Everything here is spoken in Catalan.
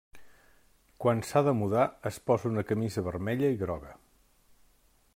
Quan s’ha de mudar, es posa una camisa vermella i groga.